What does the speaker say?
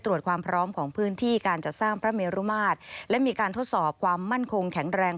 ตรวจความพร้อมของพื้นที่การจัดสร้างพระเมรุมาตรและมีการทดสอบความมั่นคงแข็งแรง